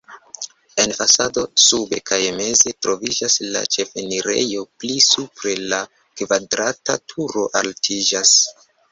En fasado sube kaj meze troviĝas la ĉefenirejo, pli supre la kvadrata turo altiĝas.